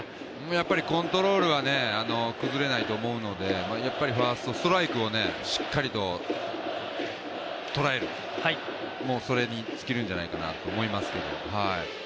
やっぱりコントロールは崩れないと思うので、やっぱりファーストストライクをしっかりと捉える、それに尽きるんじゃないかと思いますけれども。